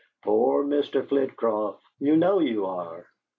Poor Mr. Flitcroft, you know you are!"